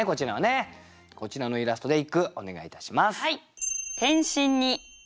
こちらのイラストで一句お願いいたします。